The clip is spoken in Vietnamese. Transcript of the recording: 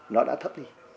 nó đã thấp